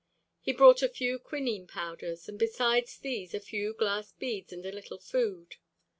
He brought a few quinine powders, and besides these a few glass beads and a little food.